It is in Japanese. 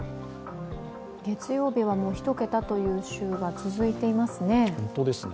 月曜日は１桁という週が続いていますね。